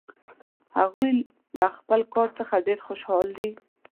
هغوی له خپل کار څخه ډېر خوشحال دي